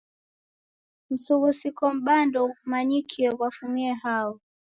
Msughusiko m'baa ndoghumanyikie ghwafumie hao.